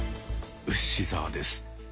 ウシ澤です。